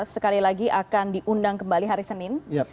sekali lagi akan diundang kembali hari senin